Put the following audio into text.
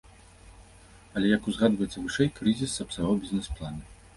Але, як узгадваецца вышэй, крызіс сапсаваў бізнес-планы.